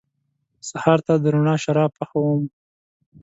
سهار ته د روڼا شراب پخوم